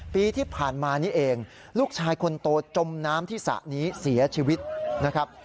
ปีที่ผ่านมานี่เองลูกชายคนโตจมน้ำที่สระนี้เสียชีวิตนะครับ